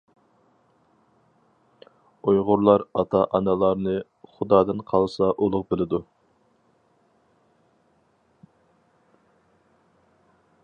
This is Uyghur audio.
ئۇيغۇرلار ئاتا-ئانىلارنى خۇدادىن قالسا ئۇلۇغ بىلىدۇ.